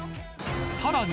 さらに